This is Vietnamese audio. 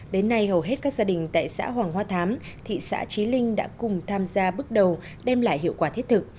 đến nay hầu hết các gia đình tại xã hoàng hoa thám thị xã trí linh đã cùng tham gia bước đầu đem lại hiệu quả thiết thực